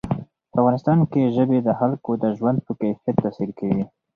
په افغانستان کې ژبې د خلکو د ژوند په کیفیت تاثیر کوي.